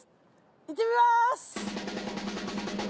行ってみます！